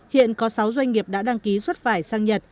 hiện có sáu doanh nghiệp đã đăng ký xuất vải sang nhật